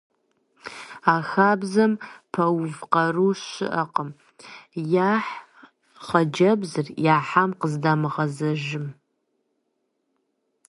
А хабзэм пэувыф къару щыӏэкъым — яхь хъыджэбзыр, яхьам къыздамыгъэзэжым…